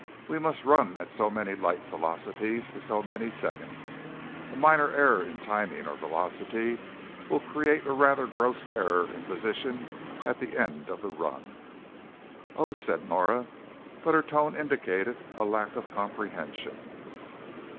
We must run at so many light velocities for so many seconds. A minor error in timing or velocity will create a rather gross error in position at the end of the run." "Oh," said Nora, but her tone indicated a lack of comprehension.